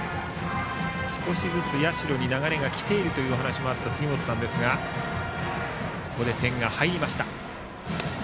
少しずつ社に流れが来ているというお話もありましたがここで点が入りました。